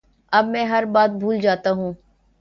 اب میں ہر بات بھول جاتا ہوں